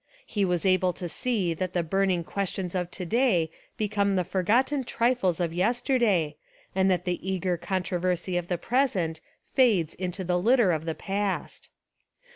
He was able to see that the burning questions of to day become the forgotten trifles of yes terday, and that the eager controversy of the present fades into the litter of the past.